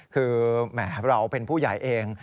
คือแหมเราเป็นผู้ใหญ่เอง